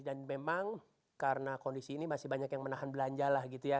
dan memang karena kondisi ini masih banyak yang menahan belanja lah gitu ya